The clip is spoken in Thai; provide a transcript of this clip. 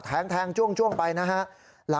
แทงจ้วงไปนะฮะ